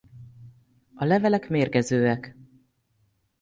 A levelek mérgezőek.